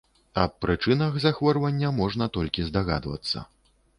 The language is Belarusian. Аб прычынах захворвання можна толькі здагадвацца.